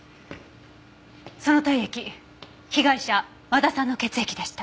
その体液被害者和田さんの血液でした。